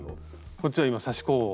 こっちは今刺し子を。